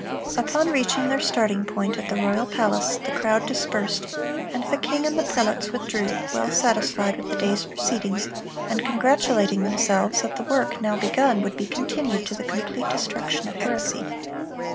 Upon reaching their starting point at the royal palace, the crowd dispersed, and the king and the prelates withdrew, well satisfied with the day's proceedings, and congratulating themselves that the work now begun would be continued to the complete destruction of heresy.